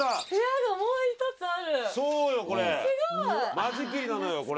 間仕切りなのよこれ。